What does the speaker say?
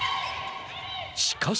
しかし。